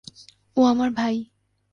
ও আমার ভাই।